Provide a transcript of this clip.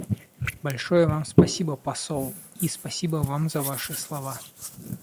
Большое Вам спасибо посол, и спасибо Вам за Ваши слова.